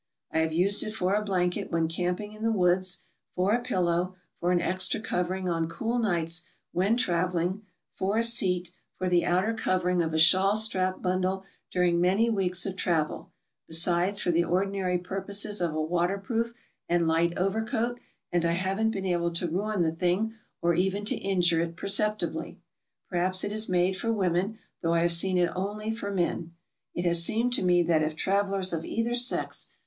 I have used it for a blanket when camping in the woods, for a pillow, for an extra covering on cool nights when traveling, for a seat, for the outer covering of a sihawTstrap bundle during many weeks of travel, besides for the ordinary pur poses of a water proof and light overcoat, and I haven't been able to ruin the thing, or even to injure it perceptibly. Perhaps it is made for women, though I have seen it only for men. It has seemed to me that if travelers of either sex.